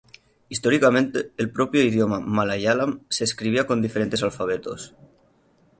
Históricamente el propio idioma malayalam se escribía con diferentes alfabetos.